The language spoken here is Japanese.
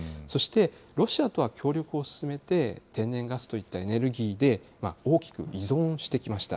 そして、ロシアとは協力を進めて、天然ガスといったエネルギーで、大きく依存をしてきました。